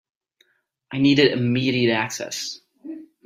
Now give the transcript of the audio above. I needed immediate access.